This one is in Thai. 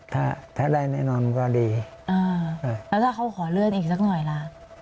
ถ้าถ้าได้แน่นอนก็ดีอ่าแล้วถ้าเขาขอเลื่อนอีกสักหน่อยล่ะ